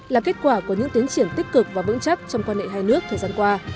là kết quả của những tiến triển tích cực và vững chắc trong quan hệ hai nước thời gian qua